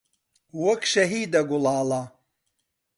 وەک شەهیدە گوڵاڵە